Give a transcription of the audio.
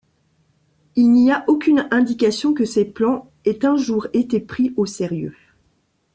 Il n'y aucune indication que ces plans aient un jour été pris au sérieux.